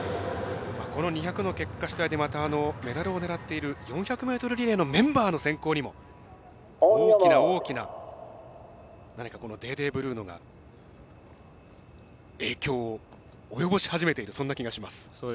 この２００の結果しだいでメダルを狙っている４００ｍリレーのメンバーの選考にも大きな大きな何かデーデーブルーノが影響を及ぼし始めているそんな気がします。